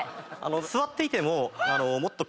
座っていてももっと簡単に。